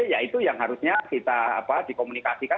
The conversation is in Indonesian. ya itu yang harusnya kita dikomunikasikan